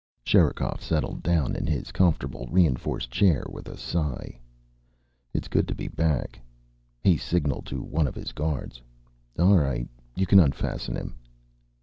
Sherikov settled down in his comfortable reinforced chair with a sigh. "It's good to be back." He signalled to one of his guards. "All right. You can unfasten him."